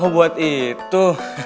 oh buat itu